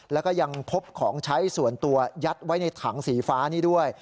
แล้วก็ยังพบของใช้ส่วนตัวยัดไว้ในถังสีฟ้านี้ด้วย